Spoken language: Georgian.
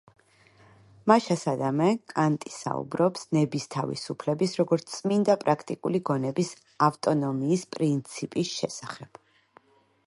მაშასადამე, კანტი საუბრობს ნების თავისუფლების, როგორც წმინდა პრაქტიკული გონების ავტონომიის პრინციპის შესახებ.